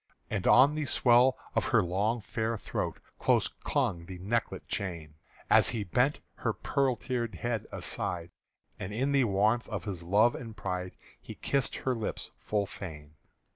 And on the swell of her long fair throat Close clung the necklet chain As he bent her pearl tir'd head aside, And in the warmth of his love and pride He kissed her lips full fain.